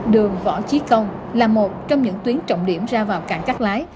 đường võ trí công là một trong những tuyến trọng điểm ra vào cảng cắt lái